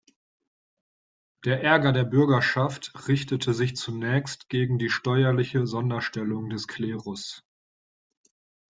Der Ärger der Bürgerschaft richtete sich zunächst gegen die steuerliche Sonderstellung des Klerus.